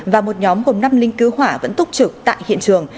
và một nhóm gồm năm lính cứu hỏa vẫn túc trực tại hiện trường